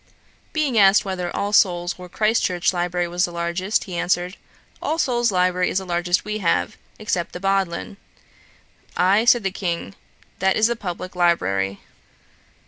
Being asked whether All Souls or Christ Church library was the largest, he answered, 'All Souls library is the largest we have, except the Bodleian.' 'Aye, (said the King,) that is the publick library.'